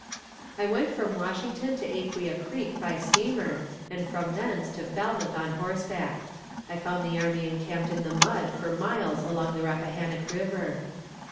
I went from Washington to Aquia Creek by steamer, and from thence to Falmouth on horseback. I found the army encamped in the mud for miles along the Rappahannock river.